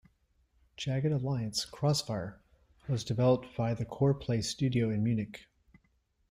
"Jagged Alliance: Crossfire" was developed by the Coreplay Studio in Munich.